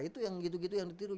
itu yang gitu gitu yang ditiru